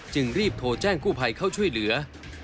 รีบโทรแจ้งกู้ภัยเข้าช่วยเหลือ